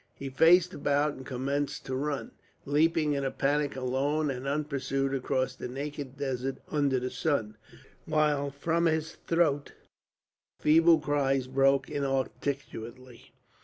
He faced about and commenced to run, leaping in a panic alone and unpursued across the naked desert under the sun, while from his throat feeble cries broke inarticulately.